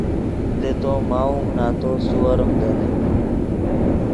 لے تو ماؤم نتو سیورم دلیم